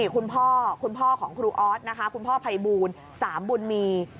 คุณพ่อของครูออสนะคะคุณพ่อไพบูน๓บุญมี